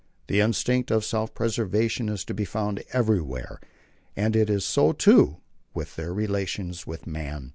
The instinct of self preservation is to be found everywhere, and it is so, too, with their relations with man.